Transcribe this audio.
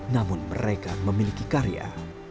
namun mereka memiliki karya